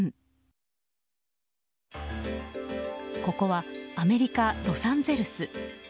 ここはアメリカ・ロサンゼルス。